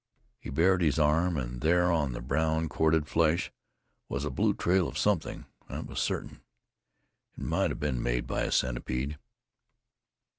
He bared his arm, and there on the brown corded flesh was a blue trail of something, that was certain. It might have been made by a centipede.